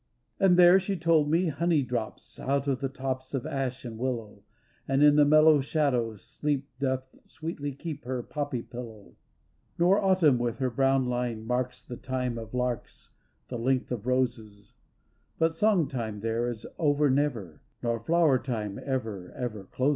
And there, she told me, honey drops Out of the tops of ash and willow, And in the mellow shadow Sleep Doth sweetly keep her poppy pillow. Nor Autumn with her brown line marks The time of larks, the length of roses, But song time there is over never Nor flower time ever, ever closes.